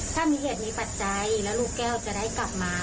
ถ้ามีเหตุมีปัจจัยแล้วลูกแก้วจะได้กลับมา